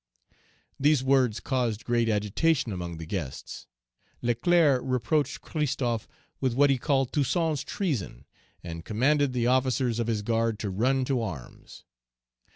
These words caused great agitation among the guests. Leclerc reproached Christophe with what he called Toussaint's treason, and commanded the officers of his guard to run to arms.